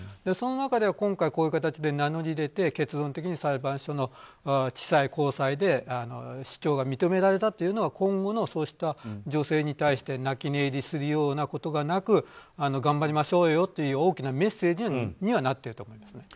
その中で今回、こういう形で名乗り出て結論的に裁判所の地裁、高裁で主張が認められたというのは今後の女性に対して泣き寝入りするようなことがなく頑張りましょうよという大きなメッセージにはなっていると思います。